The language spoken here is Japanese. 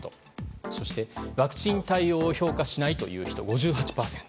そしてワクチン対応を評価しないという人は５８％。